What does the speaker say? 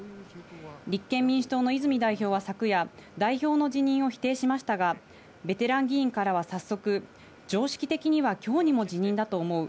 立憲民主党の泉代表は昨夜、代表の辞任を否定しましたが、ベテラン議員からは早速、常識的には今日にも辞任だと思う。